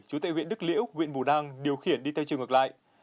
chú tại huyện đức liễu huyện bù đăng điều khiển đi theo chiều ngược lại